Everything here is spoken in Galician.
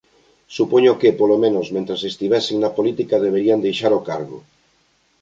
Supoño que, polo menos, mentres estivesen na política deberían deixar o cargo.